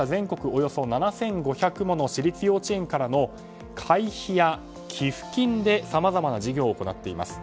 およそ７５００もの私立幼稚園からの会費や寄付金でさまざまな事業を行っています。